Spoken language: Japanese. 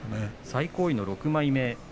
最高位の６枚目です。